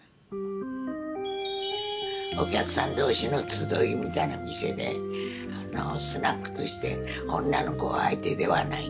お客さん同士の集いみたいな店でスナックとして女の子相手ではないんですよ。